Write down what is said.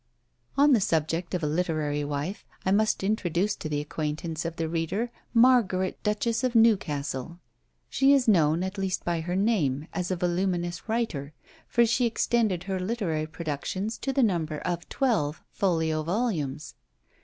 On the subject of a literary wife, I must introduce to the acquaintance of the reader Margaret Duchess of Newcastle. She is known, at least by her name, as a voluminous writer; for she extended her literary productions to the number of twelve folio volumes.